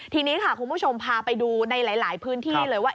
ทีนี้ค่ะคุณผู้ชมพาไปดูในหลายพื้นที่เลยว่า